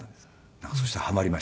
なんかそしたらハマりました。